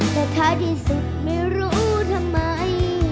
แต่ท้ายที่สุดไม่รู้ทำไม